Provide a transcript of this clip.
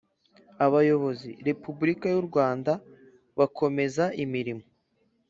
Abayobozi Repubulika y u Rwanda bakomeza imirimo